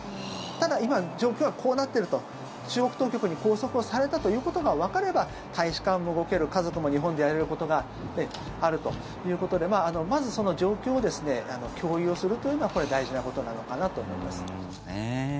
ただ、今、状況はこうなってると中国当局に拘束をされたということがわかれば大使館も動ける、家族も日本でやれることがあるということでまず、その状況を共有するというのは大事なことなのかなと思います。